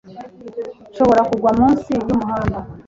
nshobora kugwa munsi y'umuhanda".